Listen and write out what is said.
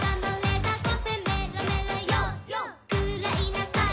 「くらいなさい！